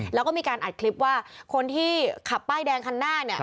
แล้วก็มีการอัดคลิปว่าคนที่ขับป้ายแดงคันหน้าเนี่ย